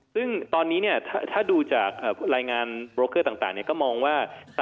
ซึ่งตอนนี้ถ้าดูจากรายงานโบรกเกอร์ต่างก็มองว่า